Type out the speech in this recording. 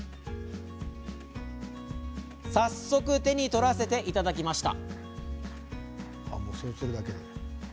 早速、手に取らせていただきました。